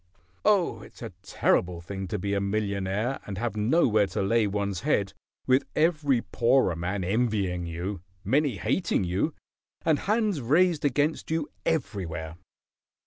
Oh, it's a terrible thing to be a millionaire and have nowhere to lay one's head, with every poorer man envying you, many hating you, and hands raised against you everywhere."